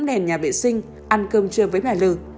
đến nhà vệ sinh ăn cơm trưa với bà l